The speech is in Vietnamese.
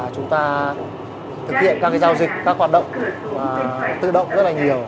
chúng ta thực hiện các giao dịch các hoạt động tự động rất là nhiều